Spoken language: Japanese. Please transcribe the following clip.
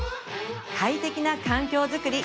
快適な環境作り